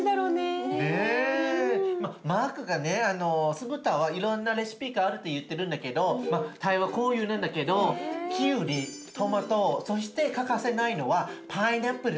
酢豚はいろんなレシピがあるって言ってるんだけどタイはこういうのだけどきゅうりトマトそして欠かせないのはパイナップル。